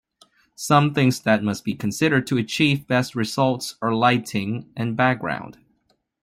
Some things that must be considered to achieve best results are lighting and background.